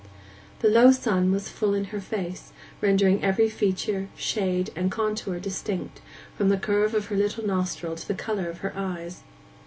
The low sun was full in her face, rendering every feature, shade, and contour distinct, from the curve of her little nostril to the colour of her eyes.